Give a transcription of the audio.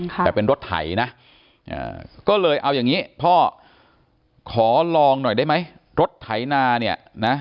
แต่เป็นรถไถนะก็เลยเอาอย่างนี้พ่อขอลองหน่อยได้ไหมรถไถนาเนี่ยนะ